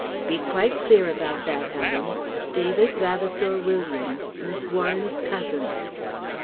"Be quite clear about that, Adams; David Vavasour Williams, Miss Warren's cousin."